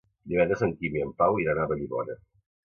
Divendres en Quim i en Pau iran a Vallibona.